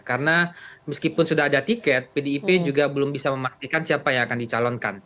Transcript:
karena meskipun sudah ada tiket pdip juga belum bisa memastikan siapa yang akan dicalonkan